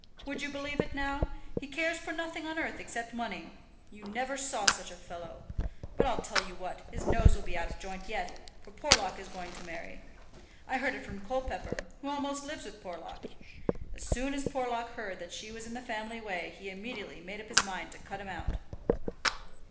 Would you believe it now? he cares for nothing on earth except money. You never saw such a fellow. But I'll tell you what, his nose will be out of joint yet, for Porlock is going to marry. I heard it from Colepepper, who almost lives with Porlock. As soon as Porlock heard that she was in the family way he immediately made up his mind to cut him out."